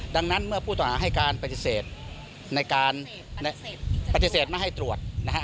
ดังนั้นเมื่อผู้ต้องหาให้การปฏิเสธในการปฏิเสธไม่ให้ตรวจนะฮะ